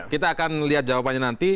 kita akan lihat jawabannya nanti